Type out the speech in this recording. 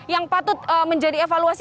yang patut menjadi evaluasi